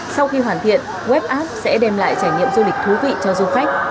sau khi hoàn thiện web app sẽ đem lại trải nghiệm du lịch thú vị cho du khách